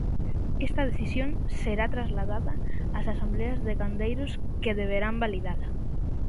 Esta decisión será trasladada ás asembleas de gandeiros que deberán validala.